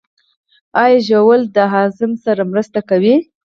ایا ژوول د هضم سره مرسته کوي؟